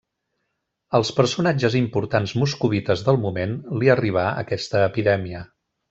Als personatges importants moscovites del moment li arribà aquesta epidèmia.